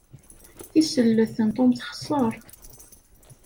Tisellet n Tom texser.